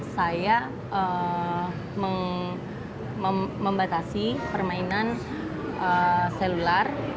saya membatasi permainan selular